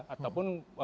ataupun pemilih bisa